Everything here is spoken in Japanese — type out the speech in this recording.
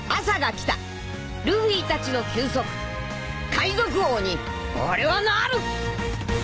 海賊王に俺はなる！